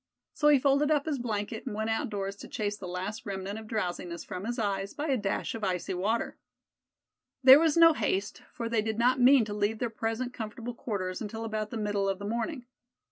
So he folded up his blanket, and went outdoors to chase the last remnant of drowsiness from his eyes by a dash of icy water. There was no haste, for they did not mean to leave their present comfortable quarters until about the middle of the morning.